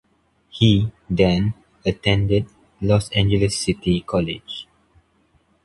He, then, attended Los Angeles City College.